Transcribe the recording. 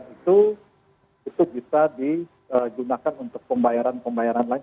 itu bisa digunakan untuk pembayaran pembayaran lain